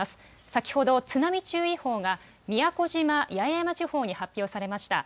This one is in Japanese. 先ほど津波注意報が宮古島・八重山地方に発表されました。